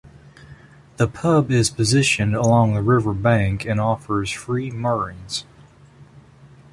The pub is positioned along the river bank and offers free moorings.